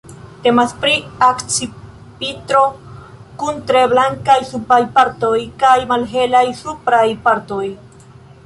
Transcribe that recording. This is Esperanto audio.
Temas pri akcipitro kun tre blankaj subaj partoj kaj malhelaj supraj partoj.